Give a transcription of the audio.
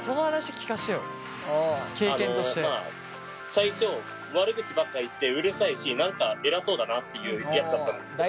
最初悪口ばっか言ってうるさいし何か偉そうだなっていうやつだったんですけど。